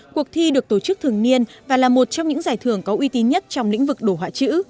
cuộc thi được tổ chức thường niên và là một trong những giải thưởng có uy tín nhất trong lĩnh vực đồ họa chữ